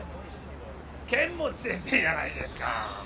剣持先生じゃないですか！